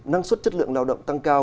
năng suất chất lượng lao động tăng cao